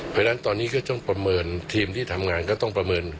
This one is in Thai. เพราะฉะนั้นตอนนี้ก็ต้องประเมินทีมที่ทำงานก็ต้องประเมิน